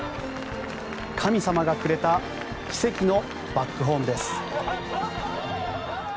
神様がくれた奇跡のバックホームです。